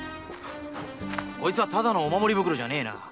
こいつはただのお守り袋じゃねえな。